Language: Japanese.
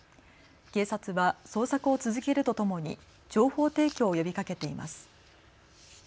警察は捜索を続けるとともに情報提供を呼びかけています。